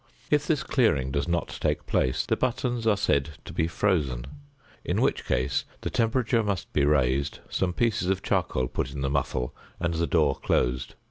If this clearing does not take place, the buttons are said to be frozen; in which case the temperature must be raised, some pieces of charcoal put in the muffle, and the door closed.